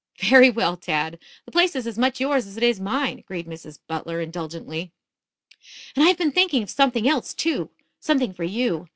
"Very well, Tad; the place is as much yours as it is mine," agreed Mrs. Butler, indulgently. "And I have been thinking of something else, too something for you.